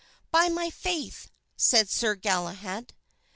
"By my faith!" said Sir Galahad.